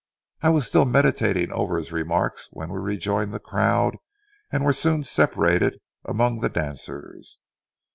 I was still meditating over his remarks when we rejoined the crowd and were soon separated among the dancers.